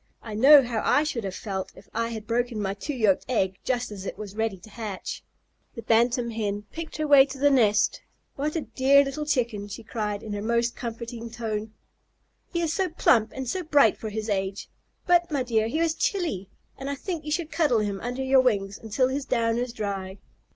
"I know how I should have felt if I had broken my two yolked egg just as it was ready to hatch." The Bantam Hen picked her way to the nest. "What a dear little Chicken!" she cried, in her most comforting tone. "He is so plump and so bright for his age. But, my dear, he is chilly, and I think you should cuddle him under your wings until his down is dry."